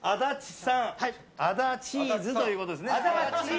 アダチーズということですね。